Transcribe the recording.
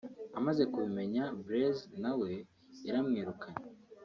amaze kubimenya(Blaise) na we yaramwirukanye